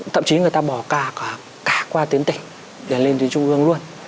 thậm chí người ta bỏ cả qua tuyến tỉnh để lên tuyến trung ương luôn